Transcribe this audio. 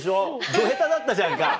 ど下手だったじゃんか。